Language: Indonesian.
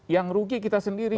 yang rugi kita sendiri